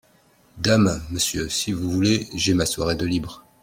Dame !… monsieur, si vous voulez… j’ai ma soirée de libre.